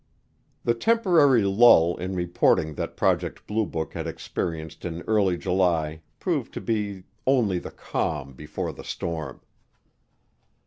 The temporary lull in reporting that Project Blue Book had experienced in early July proved to be only the calm before the storm.